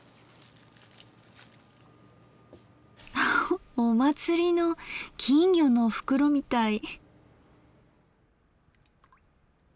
ハハお祭りの金魚の袋みたい。